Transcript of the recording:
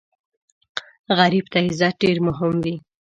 غریب ته عزت ډېر مهم وي